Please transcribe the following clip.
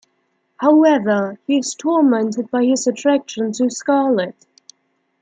However, he is tormented by his attraction to Scarlett.